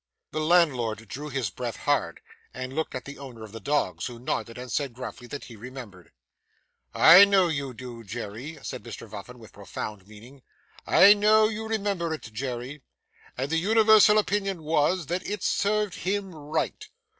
The landlord drew his breath hard, and looked at the owner of the dogs, who nodded and said gruffly that he remembered. 'I know you do, Jerry,' said Mr Vuffin with profound meaning. 'I know you remember it, Jerry, and the universal opinion was, that it served him right.